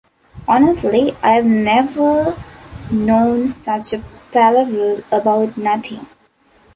Honestly, I've never known such a palaver about nothing.